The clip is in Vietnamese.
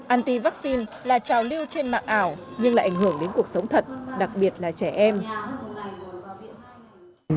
anti vaccine là trào lưu trên mạng ảo nhưng lại ảnh hưởng đến cuộc sống thật đặc biệt là trẻ em